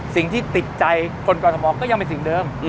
สิ่งที่ติดใจคนกรทมก็ยังเป็นสิ่งเดิม